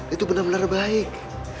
itu bener bener baik